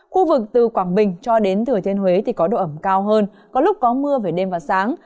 khu vực từ quảng bình cho đến thừa thiên huế thì có độ ẩm cao hơn có lúc có mưa về đêm và sáng